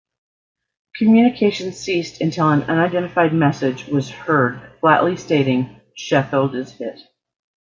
Communications ceased until an unidentified message was heard flatly stating, Sheffield is hit.